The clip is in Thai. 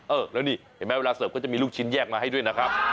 เออแล้วนี่เห็นไหมเวลาเสิร์ฟก็จะมีลูกชิ้นแยกมาให้ด้วยนะครับ